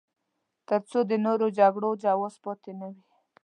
تر څو د نورو جګړو جواز پاتې نه وي.